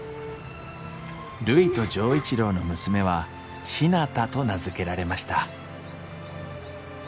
るいと錠一郎の娘はひなたと名付けられました